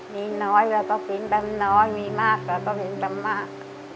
มีน้อยเราก็กินแบบน้อยมีมากเราก็กินแบบมาก